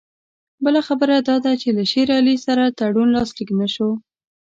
بله خبره دا ده چې له شېر علي سره تړون لاسلیک نه شو.